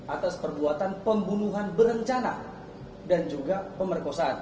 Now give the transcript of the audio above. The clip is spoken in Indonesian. atas perbuatan pembunuhan berencana dan juga pemerkosaan